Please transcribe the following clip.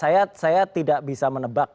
saya tidak bisa menebak